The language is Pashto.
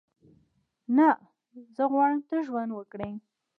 نه، زه غواړم ته ژوند وکړې.